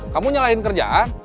kamu nyalahin kerjaan